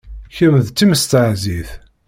Kemm d timestehzit.